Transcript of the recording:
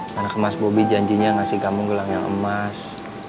karena kemas bubi janjinya ngasih kamu gelang yang emas